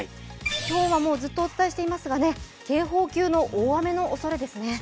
今日はずっとお伝えしていますが、警報級の大雨のおそれですね。